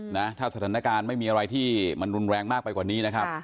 นะถ้าสถานการณ์ไม่มีอะไรที่มันรุนแรงมากไปกว่านี้นะครับ